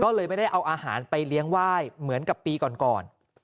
ก็เลยไม่ได้เอาอาหารไปเลี้ยงไหว้เหมือนกับปีก่อน